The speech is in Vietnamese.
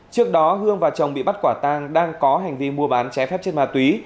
trước đó hương và chồng bị bắt quả tàng đang có hành vi mua bán trẻ phép trên ma túy